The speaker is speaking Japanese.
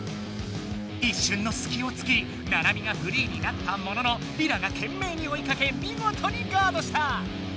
いっしゅんのすきをつきナナミがフリーになったもののリラがけんめいにおいかけみごとにガードした。